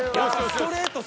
ストレート。